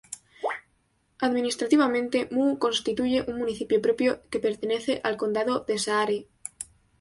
Administrativamente, Muhu constituye un municipio propio, que pertenece al condado de Saare.